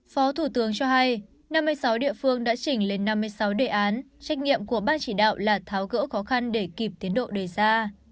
phó thủ tướng cho hay năm mươi sáu địa phương đã chỉnh lên năm mươi sáu đề án trách nhiệm của ban chỉ đạo là tháo gỡ khó khăn để kịp tiến độ đề ra